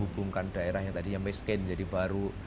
daerah yang tadinya miskin jadi baru